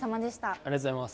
ありがとうございます。